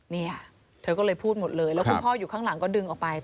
นี่ค่ะก็เธอก็พูดว่าจริงแล้วการไกล่เกลี่ยเนี่ย